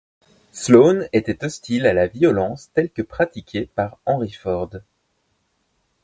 Sloan était hostile à la violence telle que pratiquée par Henry Ford.